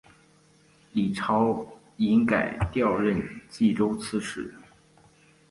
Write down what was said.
李朝隐改调任岐州刺史。